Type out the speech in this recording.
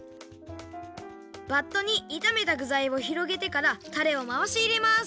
バットにいためたぐざいをひろげてからタレをまわしいれます。